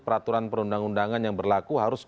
peraturan perundang undangan yang berlaku harus